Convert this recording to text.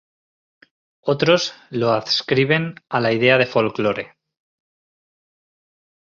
Otros lo adscriben a la idea de "folklore".